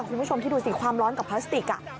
คุณผู้ชมคิดดูสิความร้อนกับพลาสติก